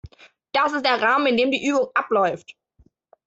Das ist der Rahmen, in dem die Übung abläuft.